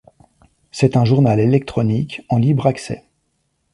C'est un journal électronique, en libre accès.